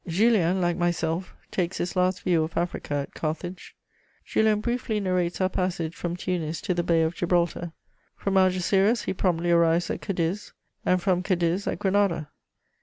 ] Julien, like myself, takes his last view of Africa at Carthage. Julien briefly narrates our passage from Tunis to the Bay of Gibraltar; from Algeciras he promptly arrives at Cadiz, and from Cadiz at Granada.